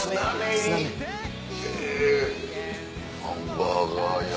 ハンバーガー屋。